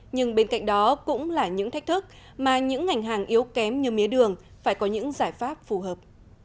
nhưng bên cạnh đó cũng là những thách thức mà những ngành hàng yếu kém như mía đường phải có những giải pháp phù hợp